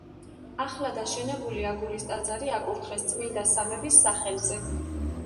ახლად აშენებული აგურის ტაძარი აკურთხეს წმინდა სამების სახელზე.